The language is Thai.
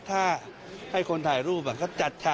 เรื่องการควบคุมกัญชายกัญชา